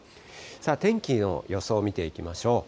天気の予想を見ていきましょう。